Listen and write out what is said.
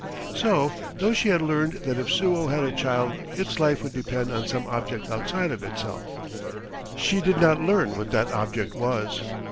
So, though she had learned that if Suo had a child its life would depend on some object outside of itself, she did not learn what that object was.